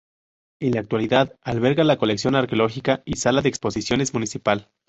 En la actualidad alberga la colección arqueológica y sala de exposiciones municipal.